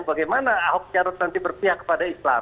bagaimana ahok jarot nanti berpihak kepada islam